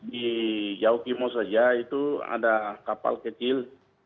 di yaukimo saja itu ada kapal kecil